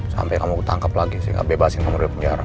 sampai kamu ditangkap lagi saya nggak bebasin kamu dari penjara